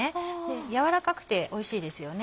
軟らかくておいしいですよね。